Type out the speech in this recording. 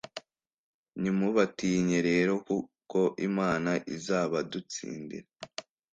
ntimubatinye rero, kuko imana izabadutsindira